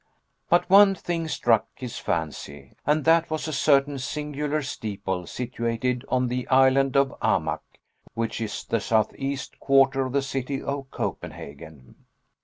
But one thing struck his fancy, and that was a certain singular steeple situated on the Island of Amak, which is the southeast quarter of the city of Copenhagen.